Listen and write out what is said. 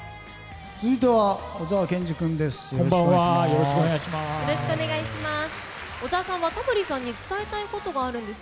続いては小沢健二君です。